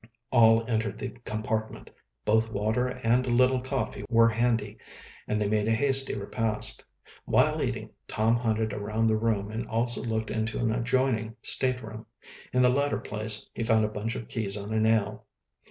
All entered the compartment. Both water and a little coffee were handy, and they made a hasty repast. While eating, Tom hunted around the room and also looked into an adjoining stateroom. In the latter place he found a bunch of keys on a nail.